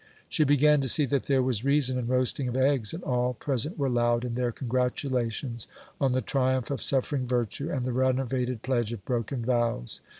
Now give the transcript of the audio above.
She began to see that there was reason in roasting of eggs, and all present were loud in their congratulations, on the triumph of suffering virtue, and the renovated pledge of broken vows.